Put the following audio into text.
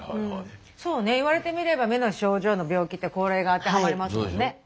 そうね言われてみれば目の症状の病気ってこれが当てはまりますもんね。